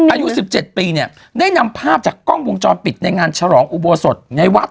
อายุ๑๗ปีเนี่ยได้นำภาพจากกล้องวงจรปิดในงานฉลองอุโบสถในวัด